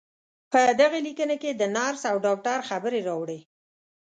په دغې ليکنې کې د نرس او ډاکټر خبرې راوړې.